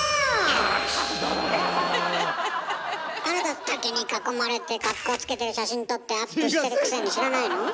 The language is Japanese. あなた竹に囲まれて格好つけてる写真撮ってアップしてるくせに知らないの？